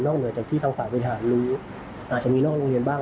เหนือจากที่ทางฝ่ายบริหารรู้อาจจะมีนอกโรงเรียนบ้าง